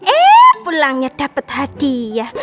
eh pulangnya dapet hadiah